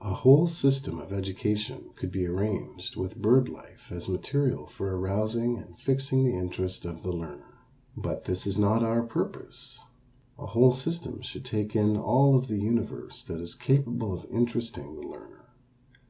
A whole system of education could be arranged with bird life as material for arousing and fixing the interest of the learner. But this is not our purpose. A whole system should take in all of the universe that is capable of interesting the learner.